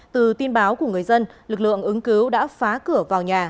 từ tin báo của người dân lực lượng ứng cứu đã phá cửa vào nhà